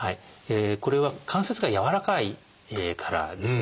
これは関節がやわらかいからですね。